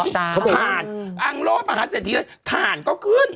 ทานอังโล่มหาเสถียร์ทานก็ขึ้น